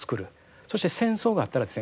そして戦争があったらですね